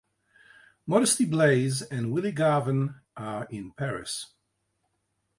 Modesty Blaise and Willie Garvin are in Paris.